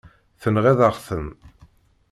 Tenɣiḍ-aɣ-ten.